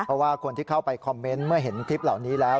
เพราะว่าคนที่เข้าไปคอมเมนต์เมื่อเห็นคลิปเหล่านี้แล้ว